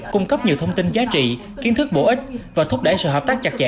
cung cấp nhiều thông tin giá trị kiến thức bổ ích và thúc đẩy sự hợp tác chặt chẽ